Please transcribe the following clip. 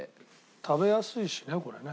食べやすいしねこれね。